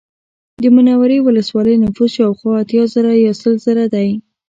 د منورې ولسوالۍ نفوس شاوخوا اتیا زره یا سل زره دی